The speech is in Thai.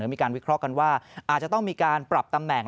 มีการวิเคราะห์กันว่าอาจจะต้องมีการปรับตำแหน่ง